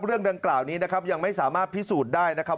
เรื่องดังกล่าวนี้นะครับยังไม่สามารถพิสูจน์ได้นะครับ